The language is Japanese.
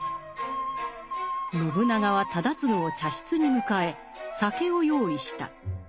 信長は忠次を茶室に迎え酒を用意した。